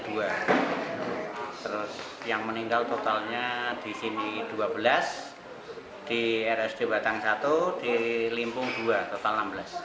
terus yang meninggal totalnya di sini dua belas di rsd batang satu di limpung dua total enam belas